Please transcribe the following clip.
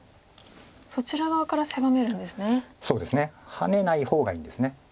ハネない方がいいんです。